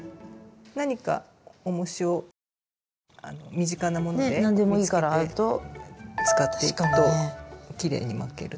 何かおもしを身近なもので使っていくときれいに巻けると思います。